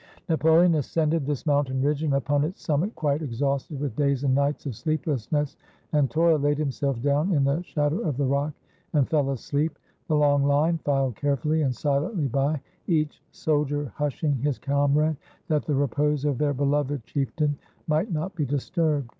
Napoleon ascended this mountain ridge, and upon its summit, quite exhausted with days and nights of sleep lessness and toil, laid himself down in the shadow of the rock and fell asleep. The long line filed carefully and silently by, each soldier hushing his comrade, that the repose of their beloved chieftain might not be disturbed.